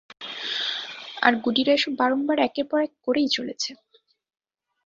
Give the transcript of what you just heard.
আর গুডিরা এসব বারংবার, একের পর এক করেই চলেছে।